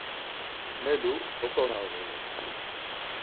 Melu oǩonağuru.